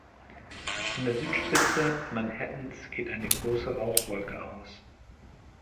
Von der Südspitze Manhattans geht eine große Rauchwolke aus.